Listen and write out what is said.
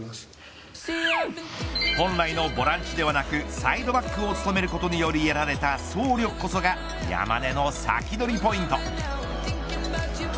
本来のボランチではなくサイドバックを務めることにより得られた走力こそが山根のサキドリポイント。